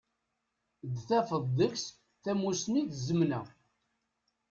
Dd tafeḍ deg-s tamusni d tzemna.